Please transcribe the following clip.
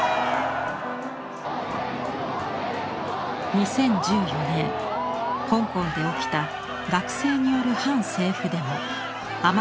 ２０１４年香港で起きた学生による反政府デモ「雨傘運動」。